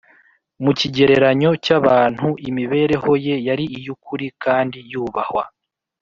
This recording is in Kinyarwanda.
. Mu kigereranyo cy’abantu, imibereho ye yari iy’ukuri kandi yubahwa;